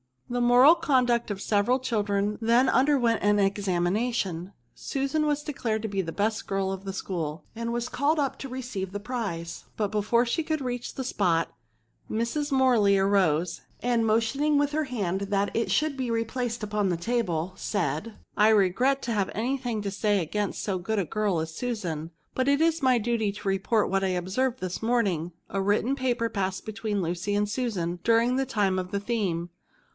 The moral conduct of the several children then underwent an examination ; Susan was declared to be the best girl of the school, and was called up to receive the prize ; but before she could reach the spot, Mrs. Morley arose, and motioning with her hand that it should be replaced upon the table, said, " I regret to have any thing to say against so good a girl as Susan ; but it is my duty to report what I observed this morning : a written paper passed between Lucy and Susan during the time of writing the theme.